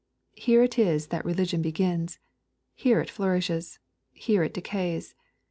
Here it is that religion begins. Here it flourishes. Here it decays.